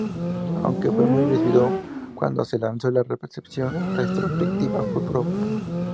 Aunque fue bien recibido cuando se lanzó, la recepción retrospectiva fue pobre.